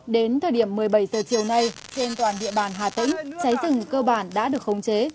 đến thời điểm một mươi bảy giờ chiều nay trên toàn địa bàn hà tĩnh cháy rừng cơ bản đã được khống chế